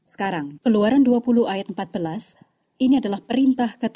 sekarang keluaran dua puluh ayat empat belas ini adalah perintah ke tujuh